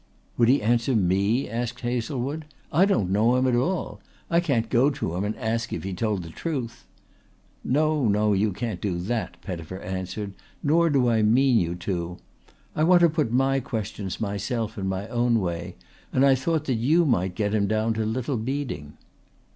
"Would he answer me?" asked Hazlewood. "I don't know him at all. I can't go to him and ask if he told the truth." "No, no, you can't do that," Pettifer answered, "nor do I mean you to. I want to put my questions myself in my own way and I thought that you might get him down to Little Beeding."